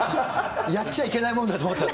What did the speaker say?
やっちゃいけないもんだと思っちゃう？